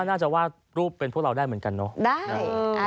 น่าจะวาดรูปเป็นพวกเราได้เหมือนกันเนาะ